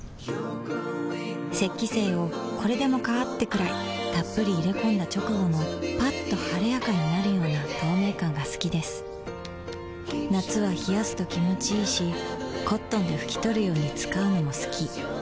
雪肌精をこれでもかーってくらいっぷり入れ込んだ直後のッと晴れやかになるような透明感が好きです夏は冷やすと気持ちいいし灰奪肇で拭き取るように使うのも好き